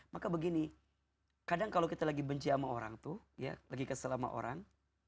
maka begini kadang kalau kita lagi benci sama orang tuh ya lagi keselama orang